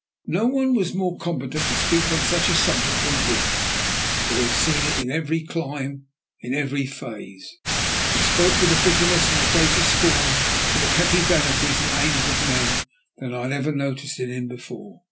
No one was more competent to speak on such a subject than he, for he had seen it in every clime and in every phase. He spoke with a bitterness and a greater scorn for the petty vanities and aims of men than I had ever noticed in him before.